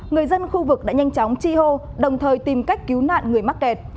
người dân khu vực đã nhanh chóng chi hô đồng thời tìm cách cứu nạn người mắc kẹt